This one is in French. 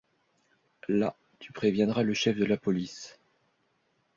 Là, tu préviendras le chef de la police...